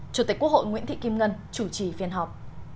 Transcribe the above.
chủ tịch quốc hội nguyễn thị kim ngân chủ trì phiên họp